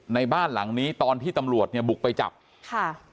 ในบ้านหลังนี้ตอนที่ตำรวจเนี่ยบุกไปจับค่ะ